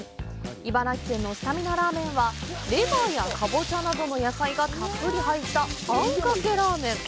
茨城県のスタミナラーメンはレバーやカボチャなどの野菜がたっぷり入った餡かけラーメン。